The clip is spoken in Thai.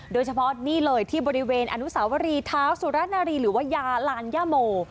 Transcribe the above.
โดยเฉพาะนี่เลยที่บริเวณอนุสาวรีเท้าสุรนารีหรือว่ายาลานย่าโม